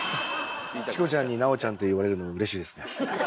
チコちゃんに「南朋ちゃん」って言われるのうれしいですね。